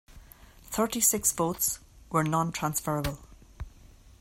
Thirty-six votes were non-transferable.